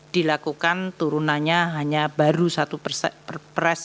dilakukan turunannya hanya baru satu perpres